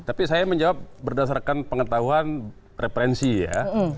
tapi saya menjawab berdasarkan pengetahuan referensi ya